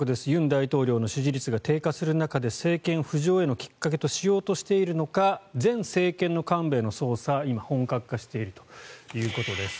尹大統領の支持率が低下する中で政権浮上へのきっかけとしようとしているのか前政権の幹部への捜査が今本格化しているということです。